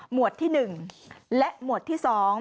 วดที่๑และหมวดที่๒